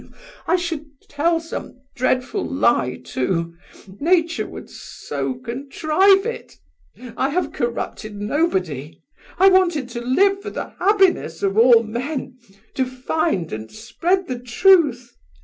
I should tell some dreadful lie too; nature would so contrive it! I have corrupted nobody. I wanted to live for the happiness of all men, to find and spread the truth.